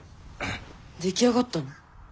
出来上がったの？